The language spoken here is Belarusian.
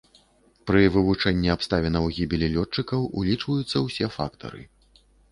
Пры вывучэнні абставінаў гібелі лётчыкаў улічваюцца ўсе фактары.